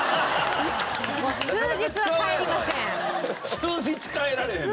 数日帰られへんな。